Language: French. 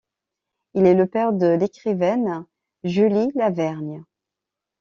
Il est le père de l'écrivaine Julie Lavergne.